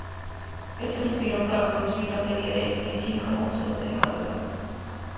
Esto la inspiró para producir la serie de Telecinco "Monstruos de madrugada".